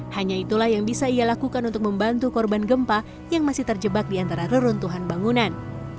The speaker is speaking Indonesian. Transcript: hanya itulah yang bisa ia lakukan untuk membantu korban gempa yang masih terjebak di antara reruntuhan bangunan